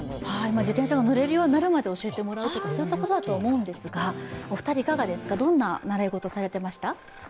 自転車が乗れるようになるまで教えてもらうといったことだと思うんですがお二人は、どんな習い事されてました？